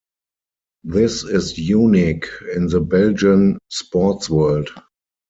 This is unique in the Belgian Sports World.